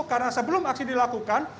karena sebelum aksi dilakukan